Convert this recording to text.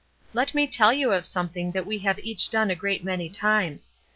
"Let me tell you of something that we have each done a great many times.